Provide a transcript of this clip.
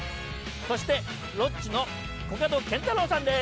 そしてロッチのコカドケンタロウさんです。